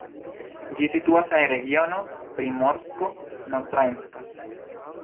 Ĝi situas en regiono Primorsko-Notranjska.